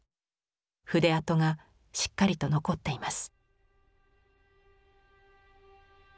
筆跡がしっかりと残っています。